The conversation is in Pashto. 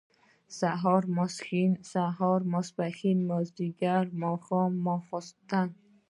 سهار ، ماسپښين، مازيګر، ماښام ، ماسخوتن